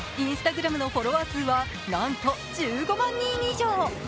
Ｉｎｓｔａｇｒａｍのフォロワー数はなんと１５万人以上。